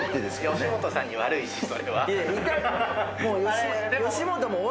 吉本さんに悪いし、それは。